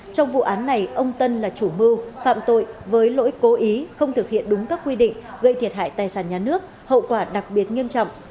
trong vụ án này ông tân là chủ mưu phạm tội với lỗi cố ý không thực hiện đúng các quy định gây thiệt hại tài sản nhà nước hậu quả đặc biệt nghiêm trọng